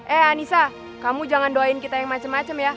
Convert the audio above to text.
eh anissa kamu jangan doain kita yang macam macam ya